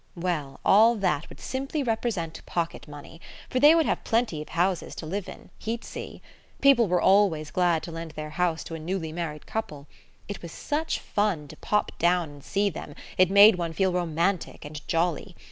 Well, all that would simply represent pocket money! For they would have plenty of houses to live in: he'd see. People were always glad to lend their house to a newly married couple. It was such fun to pop down and see them: it made one feel romantic and jolly.